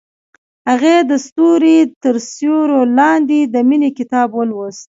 هغې د ستوري تر سیوري لاندې د مینې کتاب ولوست.